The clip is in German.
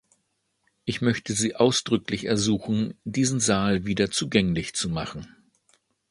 Ich möchte Sie ausdrücklich ersuchen, diesen Saal wieder zugänglich zu machen.